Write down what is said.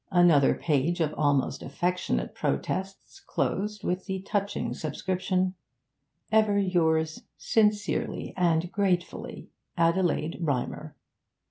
Another page of almost affectionate protests closed with the touching subscription, 'ever yours, sincerely and gratefully, Adelaide Rymer.'